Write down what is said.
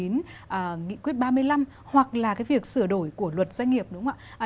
nghị quyết ba mươi năm hoặc là cái việc sửa đổi của luật doanh nghiệp đúng không ạ